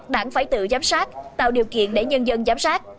đảng phải tự giám sát tạo điều kiện để nhân dân giám sát